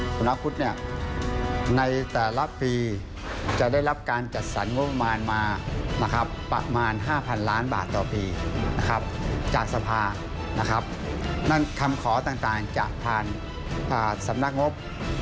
สำนักพุทธเนี่ยในแต่ละปีจะได้รับการจัดสรรงบประมาณมานะครับประมาณ๕๐๐ล้านบาทต่อปีนะครับจากสภานะครับนั่นคำขอต่างจะผ่านสำนักงบ